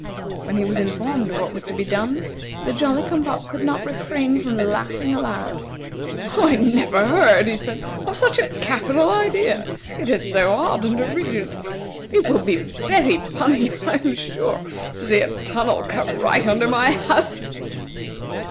When he was informed of what was to be done, the Jolly cum pop could not refrain from laughing aloud. "I never heard," he said, "of such a capital idea. It is so odd and original. It will be very funny, I am sure, to see a tunnel cut right under my house."